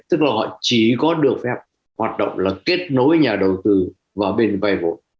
tức là họ chỉ có được phép hoạt động là kết nối nhà đầu tư và bên vay vốn